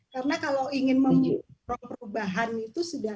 karena kalau ingin memperubahannya